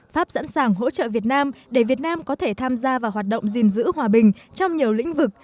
pháp sẵn sàng hỗ trợ việt nam để việt nam có thể tham gia vào hoạt động gìn giữ hòa bình trong nhiều lĩnh vực